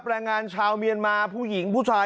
แรงงานชาวเมียนมาผู้หญิงผู้ชาย